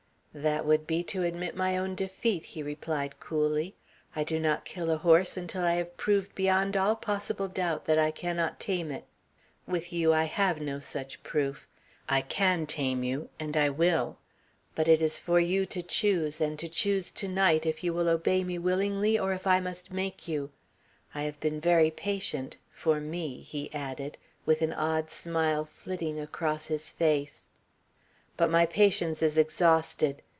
"That would be to admit my own defeat," he replied coolly. "I do not kill a horse until I have proved beyond all possible doubt that I cannot tame it. With you I have no such proof. I can tame you and I will. But it is for you to choose and to choose to night if you will obey me willingly or if I must make you. I have been very patient for me," he added, with an odd smile flitting across his face, "but my patience is exhausted.